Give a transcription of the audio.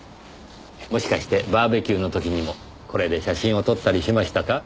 もしかしてバーベキューの時にもこれで写真を撮ったりしましたか？